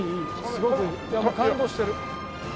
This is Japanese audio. すごく感動してる。